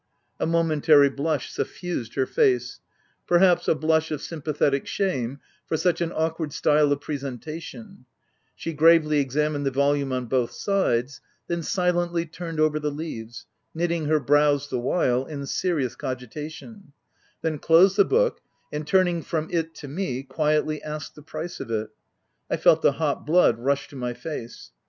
5 A momentary flush suffused her face — per haps, a blush of sympathetic shame for such an awkward style of presentation : she gravely examined the volume on both sides ; then silently turned over the leaves, knitting her brows the while, in serious cogitation ; then closed the book, and, turning from it to me, quietly asked the price of it — I felt the hot blood rush to my face.